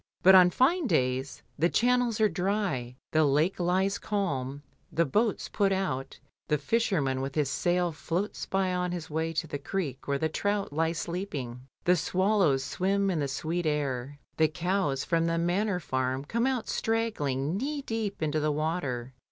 But on fine days the channels are dry, the lake lies calm, the boats put out, the fisherman with his sail floats by on his way to the creek where the trout lie sleeping, the swallows swim in the sweet air, the cows from the Manor Farm come out straggling knee deep into the water.